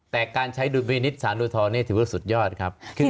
แต่การใช้เวรินนิษณ์ศาลอูทรนี่สุดยอดครับ